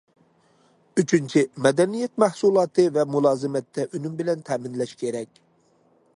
ئۈچىنچى، مەدەنىيەت مەھسۇلاتى ۋە مۇلازىمەتتە ئۈنۈم بىلەن تەمىنلەش كېرەك.